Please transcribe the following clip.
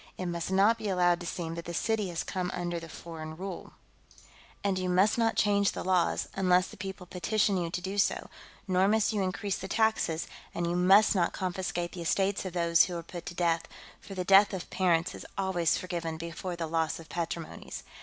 It must not be allowed to seem that the city has come under foreign rule. And you must not change the laws, unless the people petition you to do so, nor must you increase the taxes, and you must not confiscate the estates of those who are put to death, for the death of parents is always forgiven before the loss of patrimonies.